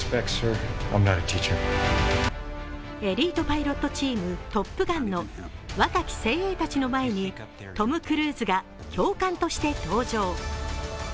エリートパイロットチームトップガンの若き精鋭たちの前にトム・クルーズが教官として登場。